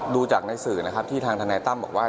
ดูจากในสื่อที่ทางทนัยตั้มบอกว่า